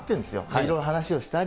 いろいろ話をしたり。